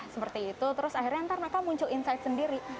seperti itu terus akhirnya ntar mereka muncul insight sendiri